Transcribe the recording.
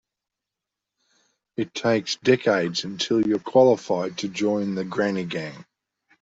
It takes decades until you're qualified to join the granny gang.